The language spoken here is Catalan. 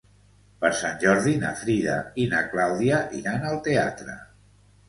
Per Sant Jordi na Frida i na Clàudia iran al teatre.